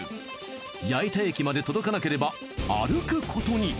矢板駅まで届かなければ歩くことに。